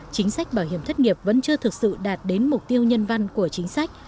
chính sách bảo hiểm thất nghiệp vẫn chưa thực sự đạt đến mục tiêu nhân văn của chính sách